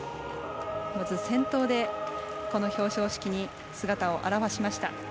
まず、先頭でこの表彰式に姿を現しました。